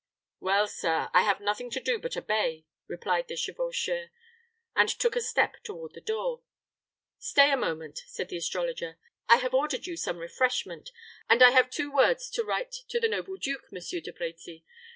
"Well, sir, I have nothing to do but obey," replied the chevaucheur, and took a step toward the door. "Stay a moment," said the astrologer. "I have ordered you some refreshment, and I have two words to write to the noble duke, Monsieur De Brecy.